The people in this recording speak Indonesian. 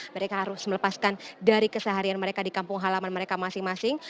mereka harus melepaskan dari keseharian mereka di kampung halaman mereka masing masing